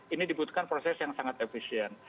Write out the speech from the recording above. ini dibutuhkan proses yang sangat efisien